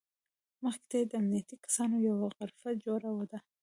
مخې ته یې د امنیتي کسانو یوه غرفه جوړه ده.